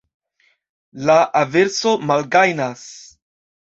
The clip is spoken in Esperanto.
La averso malgajnas.